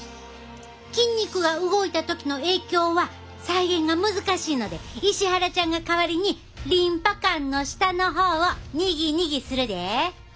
筋肉が動いた時の影響は再現が難しいので石原ちゃんが代わりにリンパ管の下の方をニギニギするで。